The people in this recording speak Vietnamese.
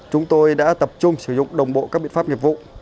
chúng tôi đã tập trung sử dụng đồng bộ các biện pháp nghiệp vụ